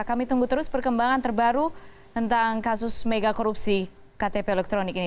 kami tunggu terus perkembangan terbaru tentang kasus mega korupsi ktp elektronik ini